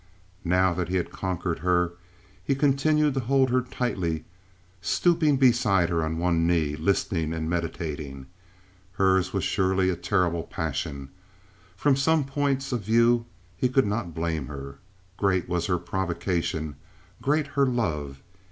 Now that he had conquered her, he continued to hold her tightly, stooping beside her on one knee, listening and meditating. Hers was surely a terrible passion. From some points of view he could not blame her. Great was her provocation, great her love.